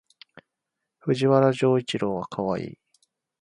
藤原丈一郎はかわいい